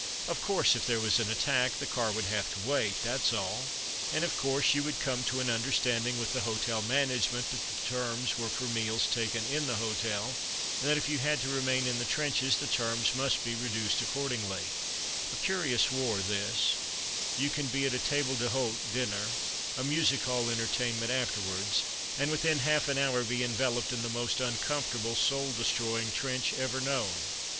Of course, if there was an attack, the car would have to wait that's all; and of course you would come to an understanding with the hotel management that the terms were for meals taken in the hotel, and that if you had to remain in the trenches the terms must be reduced accordingly. [Illustration: I hear you callin' me] A curious war this; you can be at a table d'hote dinner, a music hall entertainment afterwards, and within half an hour be enveloped in the most uncomfortable, soul destroying trench ever known.